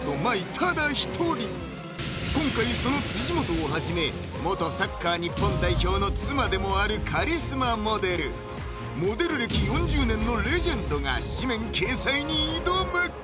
ただ一人今回その辻元をはじめ元サッカー日本代表の妻でもあるカリスマモデルモデル歴４０年のレジェンドが誌面掲載に挑む！